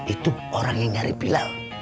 itu orang yang nyari pilau